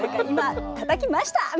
「今たたきました！」